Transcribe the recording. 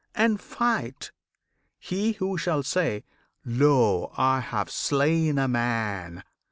and fight! He who shall say, "Lo! I have slain a man!"